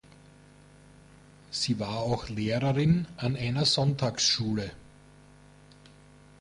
Sie war auch Lehrerin an einer Sonntagsschule.